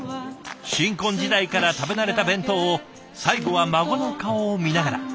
新婚時代から食べ慣れた弁当を最後は孫の顔を見ながら。